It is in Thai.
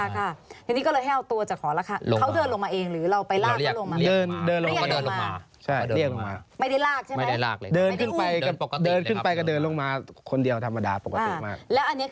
กี่คนเข้าไปแตะเนื้อต้องตัว